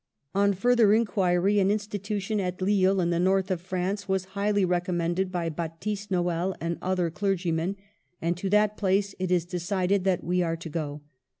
On further inquiry an institution at Lille in the North of France was highly recommended by Baptist Noel and other clergymen, and to that place it is decided that we are to go.